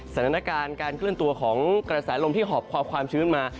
สถานการณ์การเคลื่อนตัวของกระแสลมที่หอบความชื้นมา